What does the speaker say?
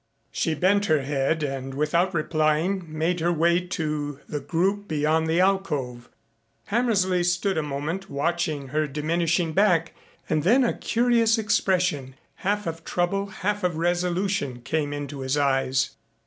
She bent her head, and without replying made her way to the group beyond the alcove. Hammersley stood a moment watching her diminishing back and then a curious expression, half of trouble, half of resolution, came into his eyes.